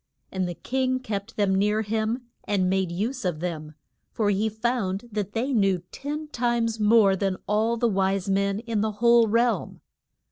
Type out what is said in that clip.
And the king kept them near him, and made use of them, for he found that they knew ten times more than all the wise men in the whole realm.